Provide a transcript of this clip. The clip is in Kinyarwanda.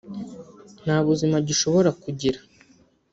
nta buzima gishobora kugira